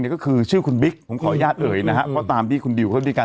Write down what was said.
ก็คือชื่อคุณบิ๊กผมขออนุญาตเอ่ยนะฮะเพราะตามที่คุณดิวเขาด้วยกัน